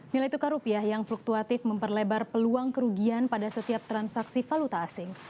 nilai tukar rupiah yang fluktuatif memperlebar peluang kerugian pada setiap transaksi valuta asing